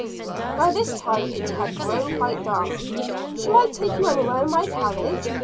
By this time it had grown quite dark. "Shall I take you anywhere in my carriage?"